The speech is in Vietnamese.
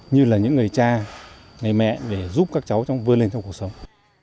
như là những người cha người mẹ để giúp các cháu trong vươn lên trong cuộc sống